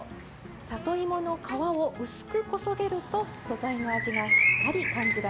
里芋の皮を薄くこそげると素材の味がしっかり感じられます。